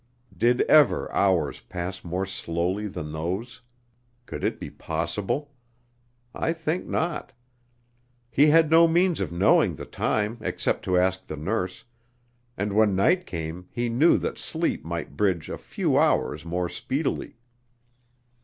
Did ever hours pass more slowly than those? Could it be possible? I think not. He had no means of knowing the time except to ask the nurse, and when night came he knew that sleep might bridge a few hours more speedily.